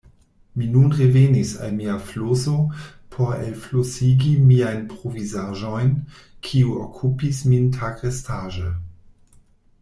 Mi nun revenis al mia floso por elflosigi miajn provizaĵojn, kiu okupis min tagrestaĵe.